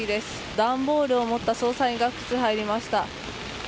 段ボールを持った捜査員が複数入りました。